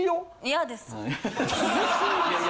嫌です。